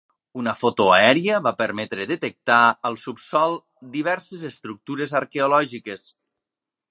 Una foto aèria va permetre detectar al subsòl diverses estructures arqueològiques.